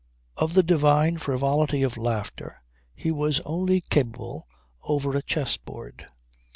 Of the divine frivolity of laughter he was only capable over a chess board.